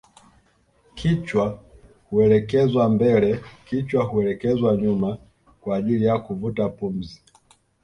Kichwa huelekezwa mbele kichwa huelekezwa nyuma kwa ajili ya kuvuta pumzi